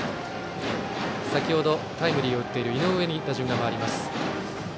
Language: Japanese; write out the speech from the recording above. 先程、タイムリーを打っている井上に打順が回ります。